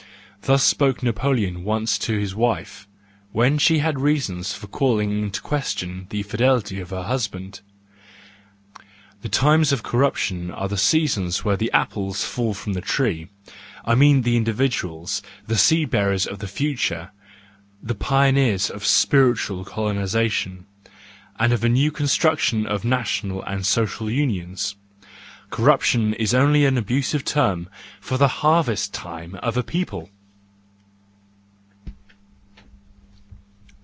Thus spoke Napoleon once to his wife, when she had reasons for calling in question the fidelity of her husband.—The times of corruption are the seasons when the apples fall from the tree: I mean the individuals, the seed bearers of the future, the pioneers of the spiritual colonisation and of a new construction of national and social unions. Corruption is only an abusive term Tor the harvest time of a people.